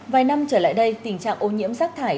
vài năm trở lại đây tình trạng ô nhiễm rác thải